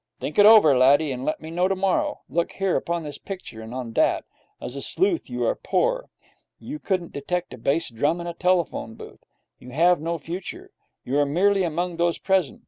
'Think it over, laddie, and let me know tomorrow. Look here upon this picture, and on that. As a sleuth you are poor. You couldn't detect a bass drum in a telephone booth. You have no future. You are merely among those present.